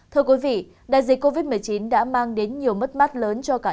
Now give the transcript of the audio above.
thưa quý vị đại dịch covid một mươi chín đã mang đến nhiều mất mắt lớn cho cả